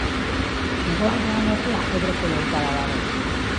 Hegoaldean ordea Ebroko lautada dago.